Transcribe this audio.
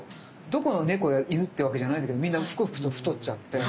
どこの猫や犬ってわけじゃないんだけどみんなふくふくと太っちゃって。